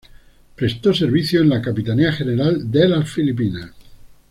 Prestó servicios en la Capitanía General de las Filipinas.